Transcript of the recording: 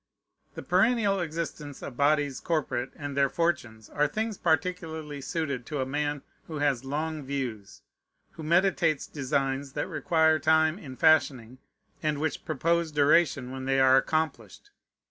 The perennial existence of bodies corporate and their fortunes are things particularly suited to a man who has long views, who meditates designs that require time in fashioning, and which propose duration when they are accomplished.